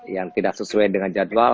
yang tidak sesuai dengan jadwal